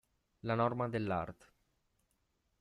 La norma dell'art.